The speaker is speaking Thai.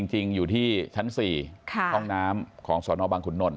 ห้องน้ำของสวนอบังขุนนท์